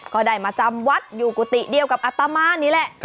ก็ได้มาจำวัดอยู่กุฏิเดียวกับอัตมานี่แหละ